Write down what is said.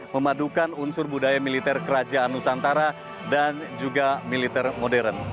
memadukan unsur budaya militer kerajaan nusantara dan juga militer modern